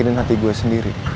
roy atau bukan